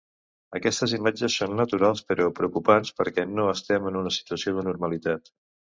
Aquestes imatges són naturals, però preocupants, perquè no estem en una situació de normalitat.